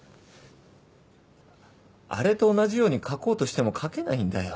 あれと同じように書こうとしても書けないんだよ。